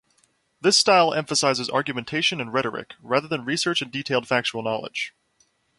This style emphasizes argumentation and rhetoric, rather than research and detailed factual knowledge.